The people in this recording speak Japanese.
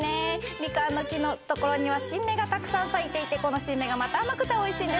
みかんの木のところには新芽がたくさん咲いていて、この新芽がまた甘くておいしいんです。